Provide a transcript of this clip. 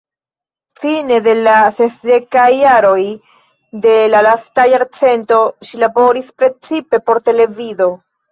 Fine de la sesdekaj jaroj de la lasta jarcento ŝi laboris precipe por televido.